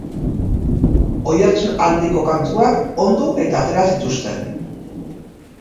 Oihartzun handiko kantuak ondu eta atera zituzten.